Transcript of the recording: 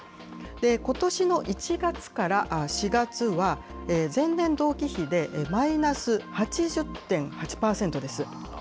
ことしの１月から４月は、前年同期比でマイナス８０．８％です。